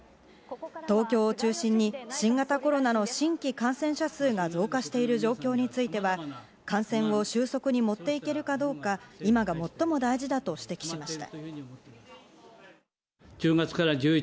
東京を中心に新型コロナの新規感染者数が増加している状況については、感染を収束に持っていけるかどうか、今が最も大事だと指摘しました。